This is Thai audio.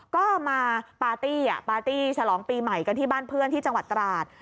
ก็มาปาร์ตี้ปาร์ตี้ฉลองปีใหม่กันที่บ้านเพื่อนที่จังหวัดตราด